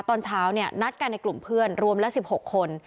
ตอนเช้านัดกันในกลุ่มเพื่อนรวมละ๑๖คน